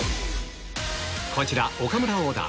こちら岡村オーダー